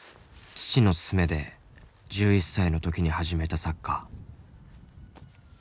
父の勧めで１１歳の時に始めたサッカー。